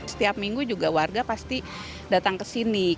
setiap minggu juga warga pasti datang ke sini